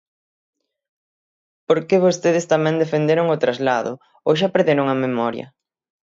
Porque vostedes tamén defenderon o traslado, ¿ou xa perderon a memoria?